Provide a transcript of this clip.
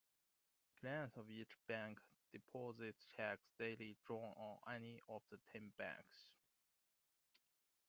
Clients of each bank deposit checks daily drawn on any of the ten banks.